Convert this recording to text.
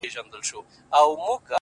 زلفي يې زما پر سر سايه جوړوي ـ